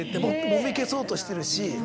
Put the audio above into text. もみ消そうとしてるし。